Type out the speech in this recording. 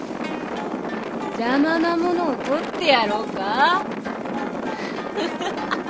邪魔なものを取ってやろうか！？